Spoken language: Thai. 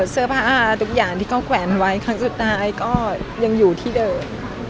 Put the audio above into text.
เสื้อผ้าทุกอย่างที่เขาแขวนไว้ครั้งสุดท้ายก็ยังอยู่ที่เดิม